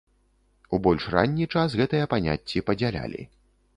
У больш ранні час гэтыя паняцці падзялялі.